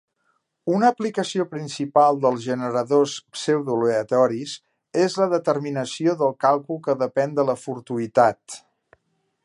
Una aplicació principal dels generadors pseudoaleatoris és la determinació del càlcul que depèn de la fortuïtat.